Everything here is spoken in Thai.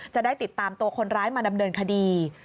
จะได้ติดตามตัวคนร้ายมาดำเนินคดี